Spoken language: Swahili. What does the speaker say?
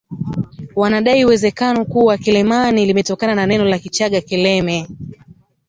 Wanadai uwezekano kuwa Kileman limetokana na neno la Kichaga kileme